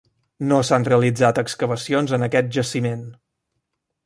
No s'han realitzat excavacions en aquest jaciment.